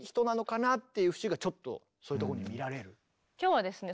今日はですね